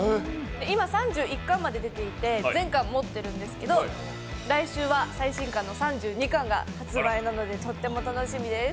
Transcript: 今３１巻まで出ていて全巻持ってるんですけど来週は最新刊の３２巻が発売なのでとっても楽しみです。